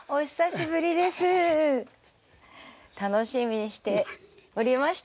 楽しみにしておりました。